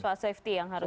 soal safety yang harus